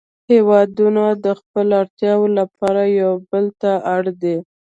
هیوادونه د خپلو اړتیاوو لپاره یو بل ته اړ دي